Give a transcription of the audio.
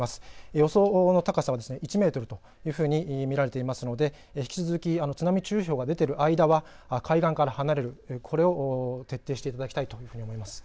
予想の高さは１メートルというふうに見られていますので引き続き津波注意報が出ている間は海岸から離れる、これを徹底していただきたいと思います。